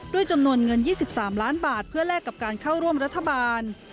จำนวนเงิน๒๓ล้านบาทเพื่อแลกกับการเข้าร่วมรัฐบาล